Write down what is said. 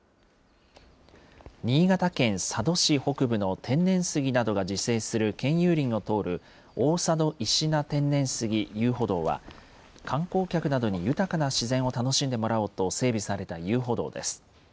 新潟県佐渡市北部の天然杉などが自生する県有林の通る、大佐渡石名天然杉遊歩道は、観光客などに豊かな自然を楽しんでもらおうと、整備された遊歩道です。